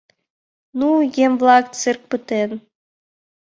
— Ну, игем-влак, цирк пытен.